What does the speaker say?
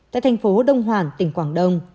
tại thành phố đông hoàn tỉnh quảng đông